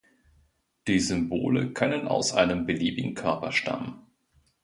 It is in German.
Die Symbole können aus einem beliebigen Körper stammen.